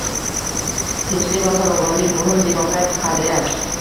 Tinchlik va farovonlik — muhim demokratik qadriyat